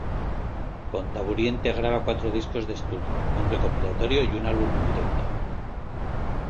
Con Taburiente graba cuatro discos de estudio, un recopilatorio y un álbum en directo.